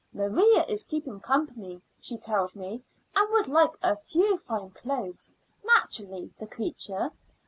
Maria is keeping company, she tells me, and would like a few fine clothes naturally, the creature!